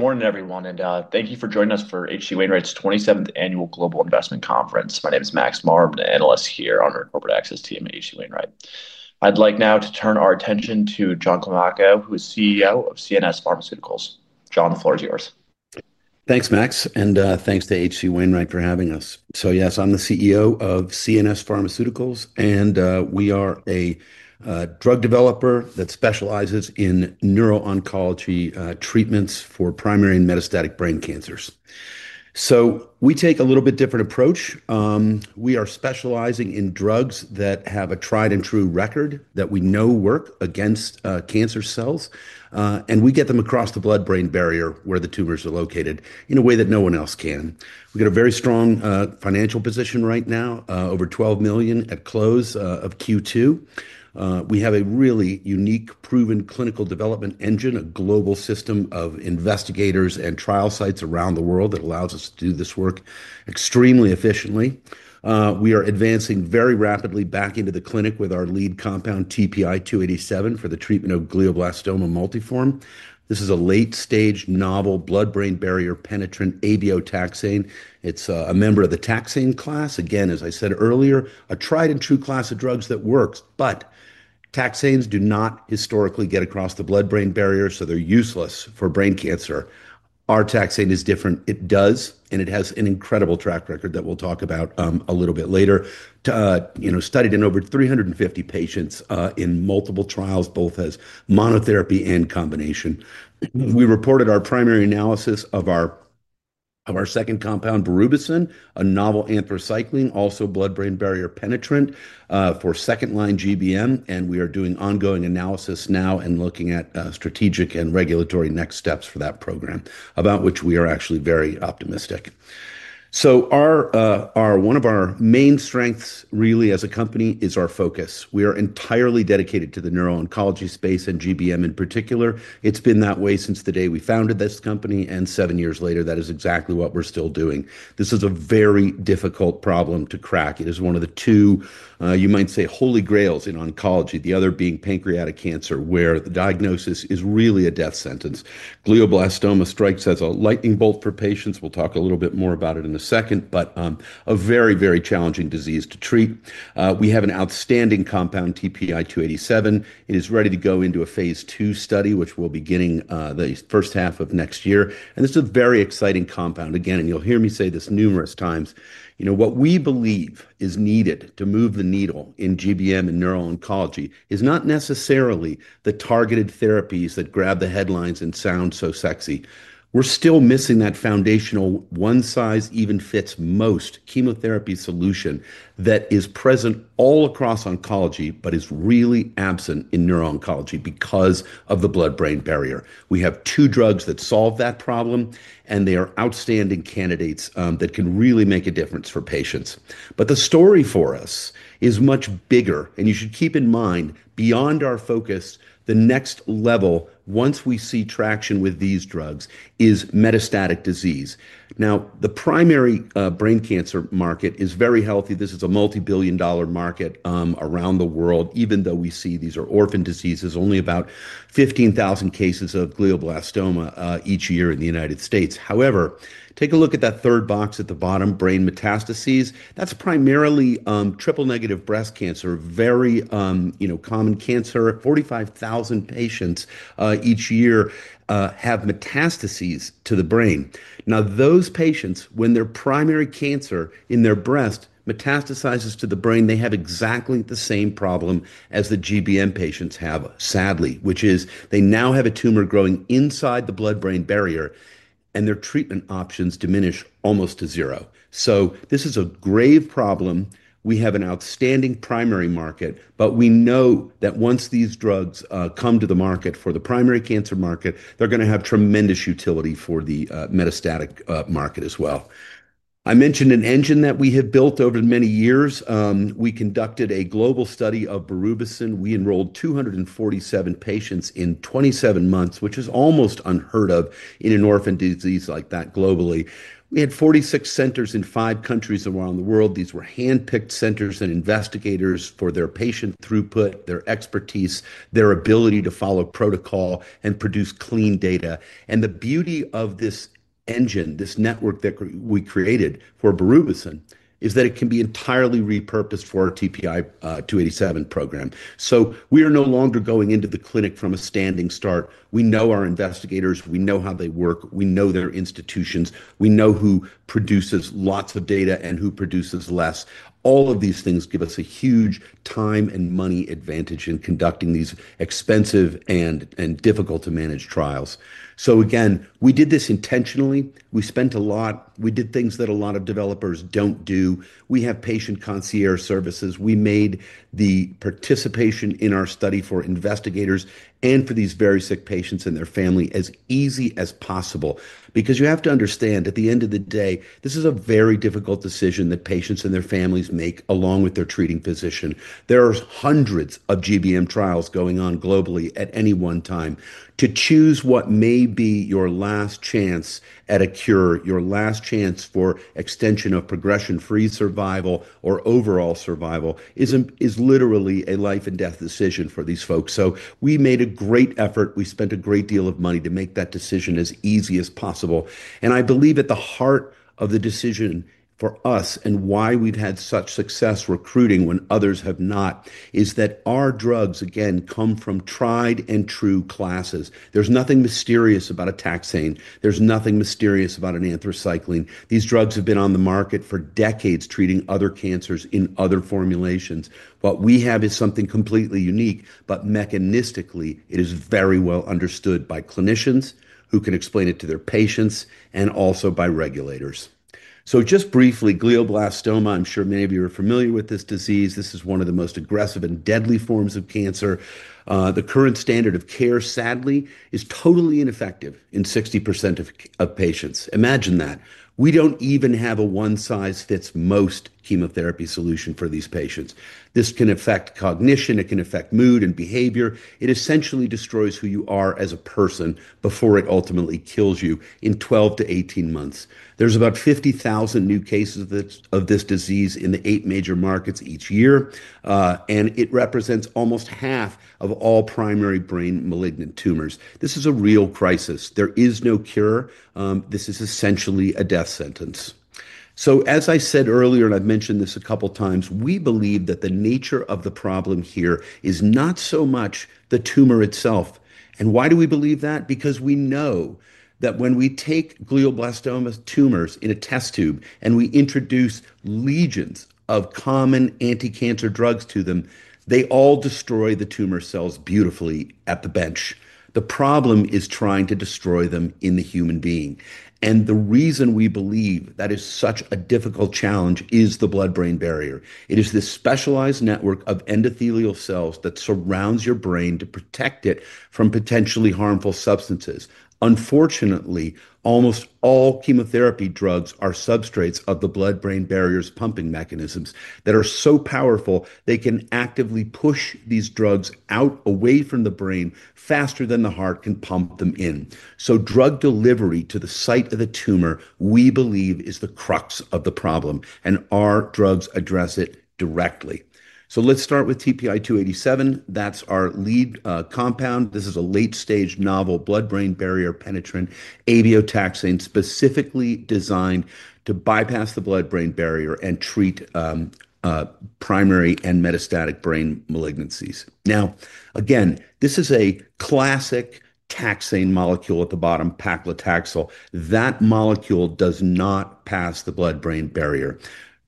Good morning, everyone, and thank you for joining us for HG Wainwright's 27th Annual Global Investment Conference. My name is Max Mahr, I'm an Analyst here on our Corporate Access team at H.C. Wainwright. I'd like now to turn our attention to John Climaco, who is CEO of CNS Pharmaceuticals. John, the floor is yours. Thanks, Max, and thanks to H.C. Wainwright for having us. Yes, I'm the CEO of CNS Pharmaceuticals, and we are a drug developer that specializes in neuro-oncology treatments for primary and metastatic brain cancers. We take a little bit different approach. We are specializing in drugs that have a tried and true record that we know work against cancer cells, and we get them across the blood-brain barrier where the tumors are located in a way that no one else can. We've got a very strong financial position right now, over $12 million at close of Q2. We have a really unique proven clinical development engine, a global system of investigators and trial sites around the world that allows us to do this work extremely efficiently. We are advancing very rapidly back into the clinic with our lead compound, TPI 287, for the treatment of glioblastoma multiforme. This is a late-stage novel blood-brain barrier penetrant abeotaxane. It's a member of the taxane class. Again, as I said earlier, a tried and true class of drugs that works, but taxanes do not historically get across the blood-brain barrier, so they're useless for brain cancer. Our taxane is different. It does, and it has an incredible track record that we'll talk about a little bit later. Studied in over 350 patients in multiple trials, both as monotherapy and combination. We reported our primary analysis of our second compound, Berubicin, a novel anthracycline also blood-brain barrier penetrant for second-line GBM, and we are doing ongoing analysis now and looking at strategic and regulatory next steps for that program, about which we are actually very optimistic. One of our main strengths really as a company is our focus. We are entirely dedicated to the neuro-oncology space and GBM in particular. It's been that way since the day we founded this company, and seven years later, that is exactly what we're still doing. This is a very difficult problem to crack. It is one of the two, you might say, holy grails in oncology, the other being pancreatic cancer where the diagnosis is really a death sentence. Glioblastoma strikes as a lightning bolt for patients. We'll talk a little bit more about it in a second, but a very, very challenging disease to treat. We have an outstanding compound, TPI 287. It is ready to go into a phase II study, which we'll be getting the first half of next year, and this is a very exciting compound. Again, you'll hear me say this numerous times, you know, what we believe is needed to move the needle in GBM and neuro-oncology is not necessarily the targeted therapies that grab the headlines and sound so sexy. We're still missing that foundational one-size-even-fits-most chemotherapy solution that is present all across oncology but is really absent in neuro-oncology because of the blood-brain barrier. We have two drugs that solve that problem, and they are outstanding candidates that can really make a difference for patients. The story for us is much bigger, and you should keep in mind beyond our focus, the next level once we see traction with these drugs is metastatic disease. Now, the primary brain cancer market is very healthy. This is a multi-billion dollar market around the world, even though we see these are orphan diseases. Only about 15,000 cases of glioblastoma each year in the United States. However, take a look at that third box at the bottom, brain metastases. That's primarily triple negative breast cancer, very, you know, common cancer. 45,000 patients each year have metastases to the brain. Now, those patients, when their primary cancer in their breast metastasizes to the brain, they have exactly the same problem as the GBM patients have, sadly, which is they now have a tumor growing inside the blood-brain barrier, and their treatment options diminish almost to zero. This is a grave problem. We have an outstanding primary market, but we know that once these drugs come to the market for the primary cancer market, they're going to have tremendous utility for the metastatic market as well. I mentioned an engine that we have built over many years. We conducted a global study of Berubicin. We enrolled 247 patients in 27 months, which is almost unheard of in an orphan disease like that globally. We had 46 centers in five countries around the world. These were hand-picked centers and investigators for their patient throughput, their expertise, their ability to follow protocol and produce clean data. The beauty of this engine, this network that we created for Berubicin, is that it can be entirely repurposed for our TPI 287 program. We are no longer going into the clinic from a standing start. We know our investigators. We know how they work. We know their institutions. We know who produces lots of data and who produces less. All of these things give us a huge time and money advantage in conducting these expensive and difficult to manage trials. We did this intentionally. We spent a lot. We did things that a lot of developers don't do. We have patient concierge services. We made the participation in our study for investigators and for these very sick patients and their family as easy as possible because you have to understand, at the end of the day, this is a very difficult decision that patients and their families make along with their treating physician. There are hundreds of GBM trials going on globally at any one time. To choose what may be your last chance at a cure, your last chance for extension of progression-free survival or overall survival is literally a life and death decision for these folks. We made a great effort. We spent a great deal of money to make that decision as easy as possible. I believe at the heart of the decision for us and why we've had such success recruiting when others have not is that our drugs, again, come from tried and true classes. There's nothing mysterious about a taxane. There's nothing mysterious about an anthracycline. These drugs have been on the market for decades treating other cancers in other formulations. What we have is something completely unique, but mechanistically, it is very well- understood by clinicians who can explain it to their patients and also by regulators. Just briefly, glioblastoma, I'm sure many of you are familiar with this disease. This is one of the most aggressive and deadly forms of cancer. The current standard of care, sadly, is totally ineffective in 60% of patients. Imagine that. We don't even have a one-size-fits-most chemotherapy solution for these patients. This can affect cognition. It can affect mood and behavior. It essentially destroys who you are as a person before it ultimately kills you in 12- 18 months. There's about 50,000 new cases of this disease in the eight major markets each year, and it represents almost half of all primary brain malignant tumors. This is a real crisis. There is no cure. This is essentially a death sentence. As I said earlier, and I've mentioned this a couple of times, we believe that the nature of the problem here is not so much the tumor itself. Why do we believe that? Because we know that when we take glioblastoma tumors in a test tube and we introduce legions of common anti-cancer drugs to them, they all destroy the tumor cells beautifully at the bench. The problem is trying to destroy them in the human being. The reason we believe that is such a difficult challenge is the blood-brain barrier. It is this specialized network of endothelial cells that surrounds your brain to protect it from potentially harmful substances. Unfortunately, almost all chemotherapy drugs are substrates of the blood-brain barrier's pumping mechanisms that are so powerful they can actively push these drugs out away from the brain faster than the heart can pump them in. Drug delivery to the site of the tumor, we believe, is the crux of the problem, and our drugs address it directly. Let's start with TPI 287. That's our lead compound. This is a late-stage novel blood-brain barrier-penetrant, abeotaxane, specifically designed to bypass the blood-brain barrier and treat primary and metastatic brain malignancies. Now, again, this is a classic taxane molecule at the bottom, paclitaxel. That molecule does not pass the blood-brain barrier.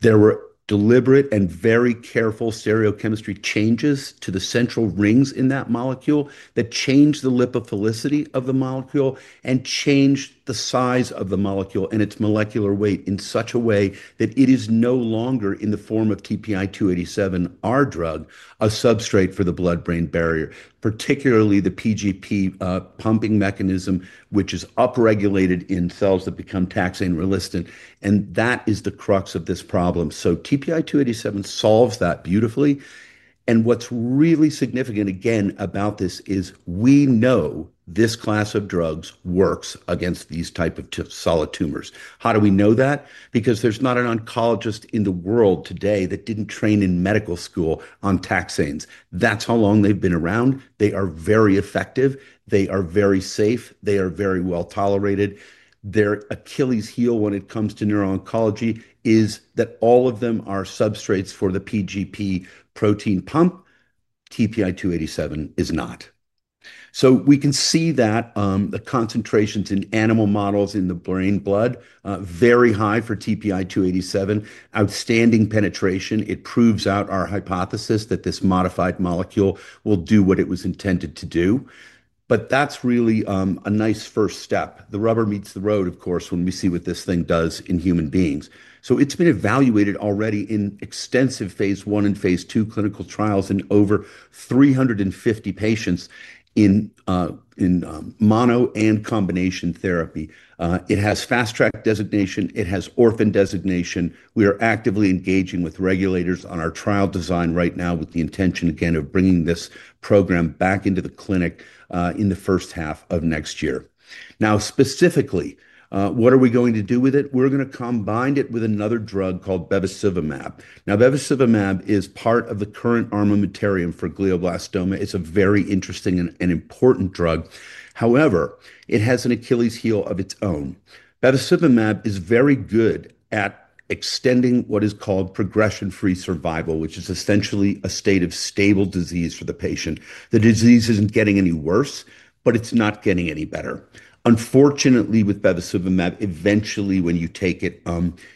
There were deliberate and very careful serial chemistry changes to the central rings in that molecule that changed the lipophilicity of the molecule and changed the size of the molecule and its molecular weight in such a way that it is no longer in the form of TPI 287, our drug, a substrate for the blood-brain barrier, particularly the PGP pumping mechanism, which is upregulated in cells that become taxane resistant, and that is the crux of this problem. TPI 287 solves that beautifully. What's really significant, again, about this is we know this class of drugs works against these types of solid tumors. How do we know that? Because there's not an oncologist in the world today that didn't train in medical school on taxanes. That's how long they've been around. They are very effective. They are very safe. They are very well- tolerated. Their Achilles heel when it comes to neuro-oncology is that all of them are substrates for the PGP protein pump. TPI 287 is not. We can see that the concentrations in animal models in the brain blood are very high for TPI 287, outstanding penetration. It proves out our hypothesis that this modified molecule will do what it was intended to do, but that's really a nice first step. The rubber meets the road, of course, when we see what this thing does in human beings. It's been evaluated already in extensive phase I and phase II clinical trials in over 350 patients in mono and combination therapy. It has fast-track designation. It has orphan designation. We are actively engaging with regulators on our trial design right now with the intention, again, of bringing this program back into the clinic in the first half of next year. Specifically, what are we going to do with it? We're going to combine it with another drug called bevacizumab. Bevacizumab is part of the current armamentarium for glioblastoma. It's a very interesting and important drug. However, it has an Achilles heel of its own. Bevacizumab is very good at extending what is called progression-free survival, which is essentially a state of stable disease for the patient. The disease isn't getting any worse, but it's not getting any better. Unfortunately, with bevacizumab, eventually when you take it,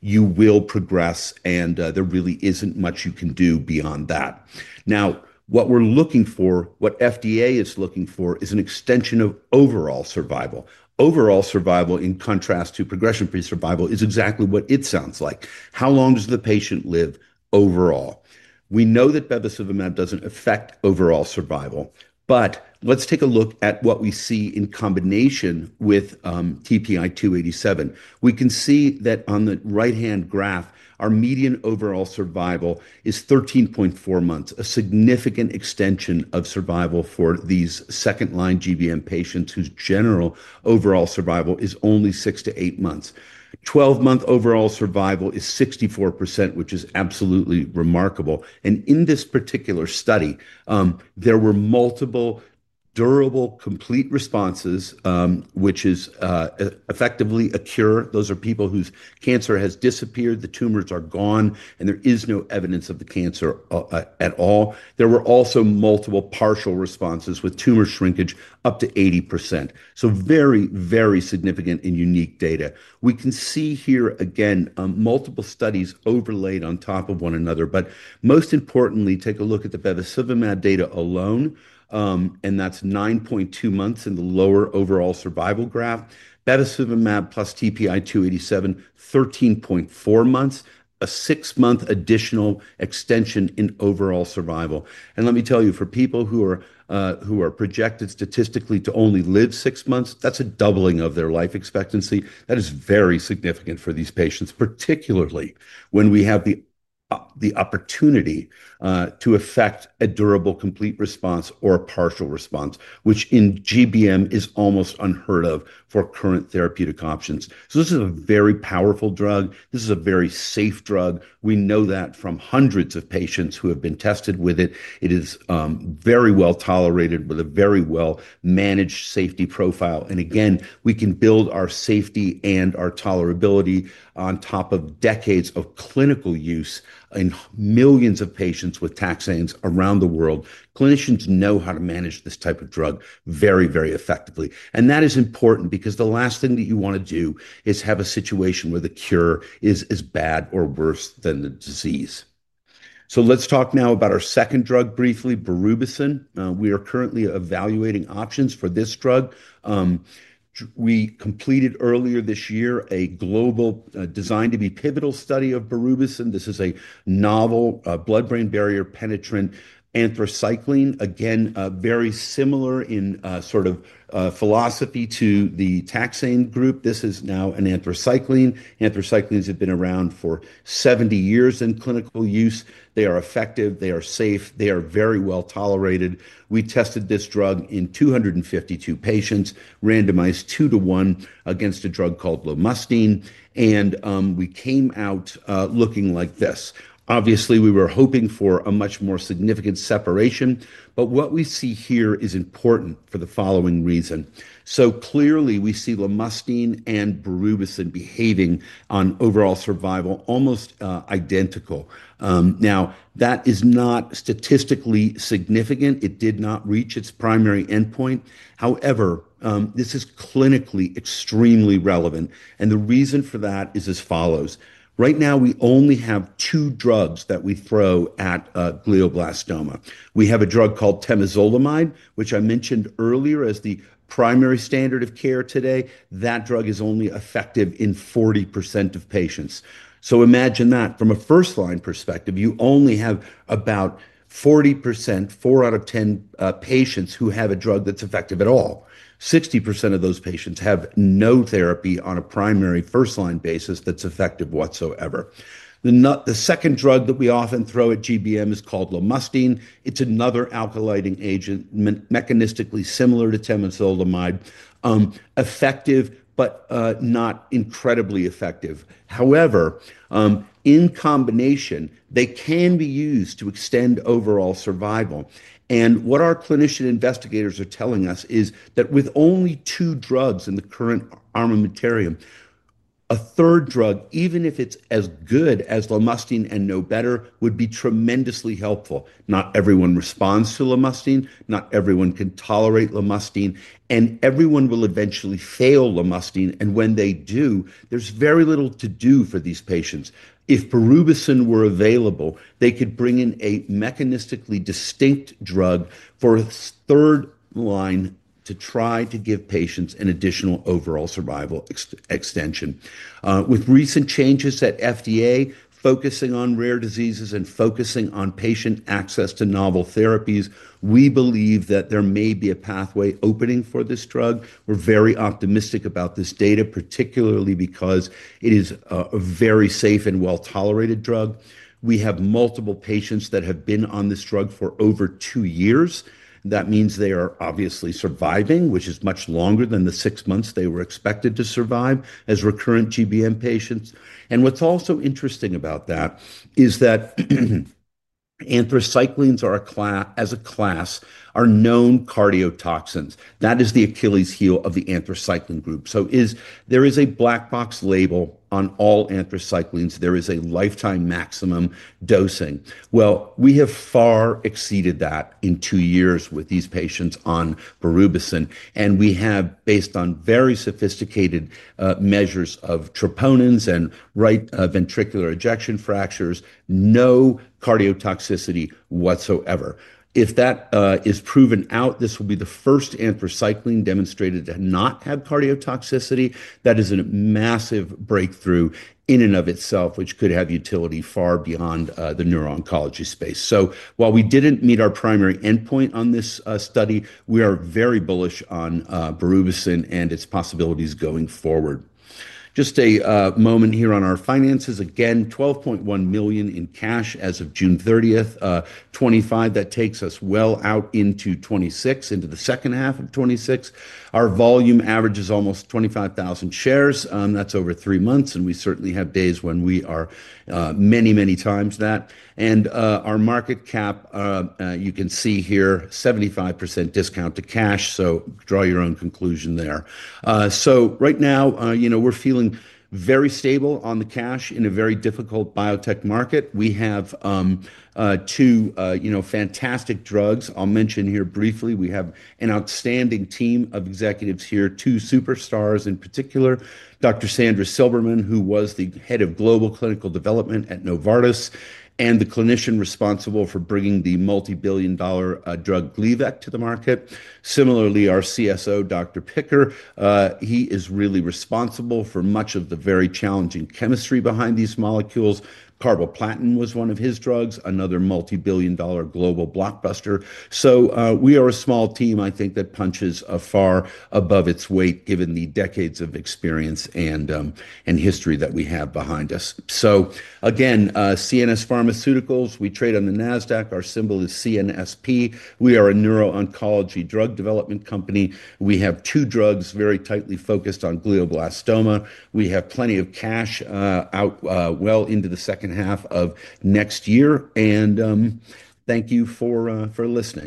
you will progress, and there really isn't much you can do beyond that. What we're looking for, what FDA is looking for, is an extension of overall survival. Overall survival, in contrast to progression-free survival, is exactly what it sounds like. How long does the patient live overall? We know that bevacizumab doesn't affect overall survival, but let's take a look at what we see in combination with TPI 287. We can see that on the right-hand graph, our median overall survival is 13.4 months, a significant extension of survival for these second-line GBM patients whose general overall survival is only six to eight months. 12-month overall survival is 64%, which is absolutely remarkable. In this particular study, there were multiple durable complete responses, which is effectively a cure. Those are people whose cancer has disappeared, the tumors are gone, and there is no evidence of the cancer at all. There were also multiple partial responses with tumor shrinkage up to 80%. Very, very significant and unique data. We can see here again multiple studies overlaid on top of one another, but most importantly, take a look at the bevacizumab data alone, and that's 9.2 months in the lower overall survival graph. Bevacizumab plus TPI 287, 13.4 months, a six-month additional extension in overall survival. Let me tell you, for people who are projected statistically to only live six months, that's a doubling of their life expectancy. That is very significant for these patients, particularly when we have the opportunity to affect a durable complete response or a partial response, which in GBM is almost unheard of for current therapeutic options. This is a very powerful drug. This is a very safe drug. We know that from hundreds of patients who have been tested with it. It is very well- tolerated with a very well-managed safety profile. We can build our safety and our tolerability on top of decades of clinical use in millions of patients with taxanes around the world. Clinicians know how to manage this type of drug very, very effectively. That is important because the last thing that you want to do is have a situation where the cure is bad or worse than the disease. Let's talk now about our second drug briefly, Berubicin. We are currently evaluating options for this drug. We completed earlier this year a global designed to be pivotal study of Berubicin. This is a novel blood-brain barrier-penetrant anthracycline, again, very similar in sort of philosophy to the taxane group. This is now an anthracycline. Anthracyclines have been around for 70 years in clinical use. They are effective. They are safe. They are very well- tolerated. We tested this drug in 252 patients, randomized two to one against a drug called Lomustine, and we came out looking like this. Obviously, we were hoping for a much more significant separation, but what we see here is important for the following reason. Clearly, we see Lomustine and Berubicin behaving on overall survival almost identical. That is not statistically significant. It did not reach its primary endpoint. However, this is clinically extremely relevant, and the reason for that is as follows. Right now, we only have two drugs that we throw at glioblastoma. We have a drug called temozolomide, which I mentioned earlier as the primary standard of care today. That drug is only effective in 40% of patients. Imagine that. From a first-line perspective, you only have about 40%, four out of 10 patients who have a drug that's effective at all. 60% of those patients have no therapy on a primary first-line basis that's effective whatsoever. The second drug that we often throw at GBM is called Lomustine. It's another alkylating agent, mechanistically similar to temozolomide, effective but not incredibly effective. In combination, they can be used to extend overall survival. What our clinician investigators are telling us is that with only two drugs in the current armamentarium, a third drug, even if it's as good as Lomustine and no better, would be tremendously helpful. Not everyone responds to Lomustine. Not everyone can tolerate Lomustine, and everyone will eventually fail Lomustine, and when they do, there's very little to do for these patients. If Berubicin were available, they could bring in a mechanistically distinct drug for a third line to try to give patients an additional overall survival extension. With recent changes at FDA focusing on rare diseases and focusing on patient access to novel therapies, we believe that there may be a pathway opening for this drug. We are very optimistic about this data, particularly because it is a very safe and well-tolerated drug. We have multiple patients that have been on this drug for over two years. That means they are obviously surviving, which is much longer than the six months they were expected to survive as recurrent GBM patients. What's also interesting about that is that anthracyclines, as a class, are known cardiotoxins. That is the Achilles heel of the anthracycline group. There is a black box label on all anthracyclines. There is a lifetime maximum dosing. We have far exceeded that in two years with these patients on Berubicin, and we have, based on very sophisticated measures of troponins and right ventricular ejection fractions, no cardiotoxicity whatsoever. If that is proven out, this will be the first anthracycline demonstrated to not have cardiotoxicity. That is a massive breakthrough in and of itself, which could have utility far beyond the neuro-oncology space. While we didn't meet our primary endpoint on this study, we are very bullish on Berubicin and its possibilities going forward. Just a moment here on our finances. Again, $12.1 million in cash as of June 30, 2025. That takes us well out into 2026, into the second half of 2026. Our volume average is almost 25,000 shares. That's over three months, and we certainly have days when we are many, many times that. Our market cap, you can see here, 75% discount to cash. Draw your own conclusion there. Right now, we're feeling very stable on the cash in a very difficult biotech market. We have two fantastic drugs. I'll mention here briefly, we have an outstanding team of executives here, two superstars in particular, Dr. Sandra Silberman, who was the Head of Global Clinical Development at Novartis and the clinician responsible for bringing the multi-billion dollar drug Gleevec to the market. Similarly, our CSO, Dr. Picker, he is really responsible for much of the very challenging chemistry behind these molecules. Carboplatin was one of his drugs, another multi-billion dollar global blockbuster. We are a small team, I think, that punches far above its weight given the decades of experience and history that we have behind us. CNS Pharmaceuticals, we trade on the NASDAQ. Our symbol is CNSP. We are a neuro-oncology drug development company. We have two drugs very tightly focused on glioblastoma. We have plenty of cash out well into the second half of next year, and thank you for listening.